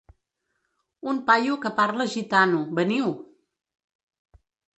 Un paio que parla gitano, veniu!